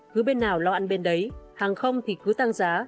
cứ bên nào lo ăn bên đấy hàng không thì cứ tăng giá